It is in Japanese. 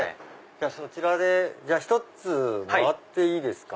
じゃあそちらで１つもらっていいですか？